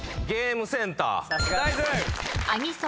ゲームセンター。